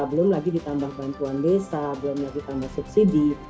belum lagi ditambah bantuan desa belum lagi ditambah subsidi